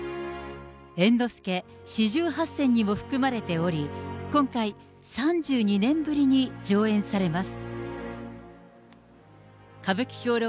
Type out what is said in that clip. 猿之助四十八撰にも含まれており、今回、３２年ぶりに上演されます。